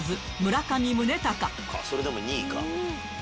それでも２位か。